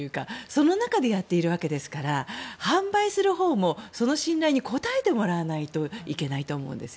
その中でやっているわけですから販売するほうもその信頼に応えてもらわないといけないと思います。